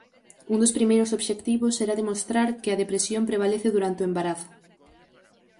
Un dos primeiros obxectivos era demostrar que a depresión prevalece durante o embarazo.